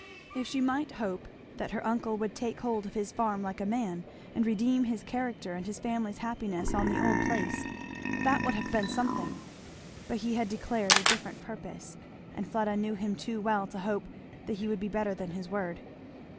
If she might hope that her uncle would take hold of his farm like a man, and redeem his character and his family's happiness on the old place, that would have been something; but he had declared a different purpose, and Fleda knew him too well to hope that he would be better than his word.